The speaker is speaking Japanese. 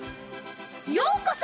ようこそ！